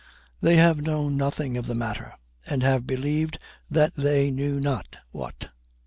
They have known nothing of the matter, and have believed they knew not what.